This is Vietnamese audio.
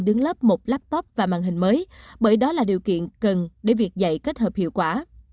đứng lớp một laptop và màn hình mới bởi đó là điều kiện cần để việc dạy kết hợp hiệu quả